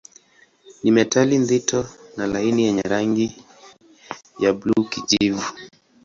Ni metali nzito na laini yenye rangi ya buluu-kijivu.